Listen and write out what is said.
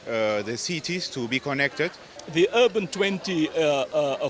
untuk memperhubungkan kota kota di mana mana